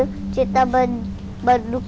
sejak kapan kamu takut sama badut